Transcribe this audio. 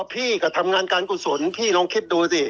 เพียกับทำงานกาลกุศลพี่น้องคิดดูสิ